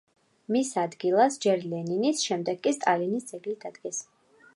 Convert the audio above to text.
მის ადგილას ჯერ ლენინის, შემდეგ კი სტალინის ძეგლი დადგეს.